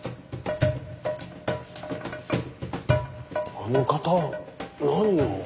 あの方は何を？